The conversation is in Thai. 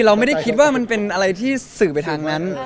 เราไม่ได้คิดว่ามันเป็นอะไรที่สื่อไปทางนั้น